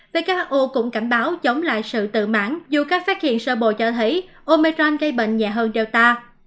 who cũng cảnh báo chống lại sự tự mãn dù các phát hiện sơ bồ cho thấy omicron gây bệnh nhẹ hơn delta